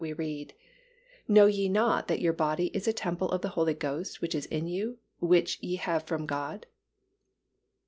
we read, "Know ye not that your body is a temple of the Holy Ghost which is in you, which ye have from God?"